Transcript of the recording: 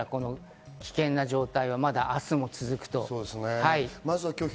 危険な状態はまだ明日も続く。